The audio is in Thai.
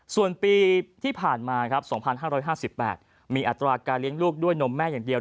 ส่วนปีที่ผ่านมา๒๕๕๘มีอัตราการเลี้ยงลูกด้วยนมแม่อย่างเดียว